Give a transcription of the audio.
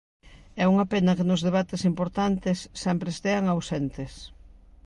É unha pena que nos debates importantes sempre estean ausentes.